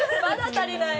足りない！